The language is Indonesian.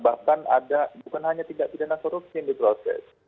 bahkan ada bukan hanya tindak pidana korupsi yang diproses